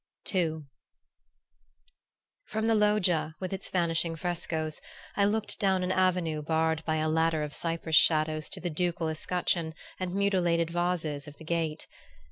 II From the loggia, with its vanishing frescoes, I looked down an avenue barred by a ladder of cypress shadows to the ducal escutcheon and mutilated vases of the gate.